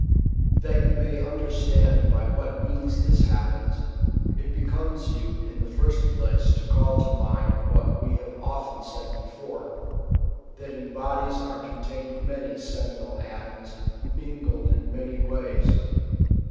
That you may understand by what means this happens, it becomes you in the first place to call to mind what we have often said before, that in bodies are contained many seminal atoms, mingled in many ways.